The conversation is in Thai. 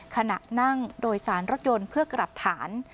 ขณะนั่งโดยสารรถยนต์เพื่อกลับฐาน